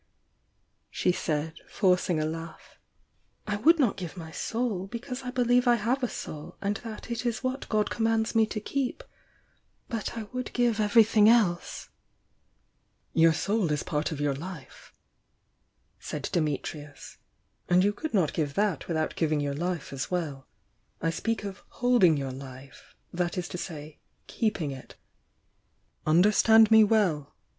she said, forcing a laugh. "I would not give my soul, because I believe I have a soul, and that it is what God commands me to keep, — but I would give everything else!" "Your soul is part of your life," said Dimitrius. "And you could not give that without giving your life as well. I speak of holding your life, — that is to say, keeping it. Understand me well!